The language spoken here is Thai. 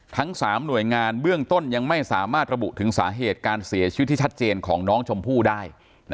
ทั้ง๓หน่วยงานเบื้องต้นยังไม่สามารถระบุถึงสาเหตุการเสียชีวิตที่ชัดเจนของน้องชมพู่ได้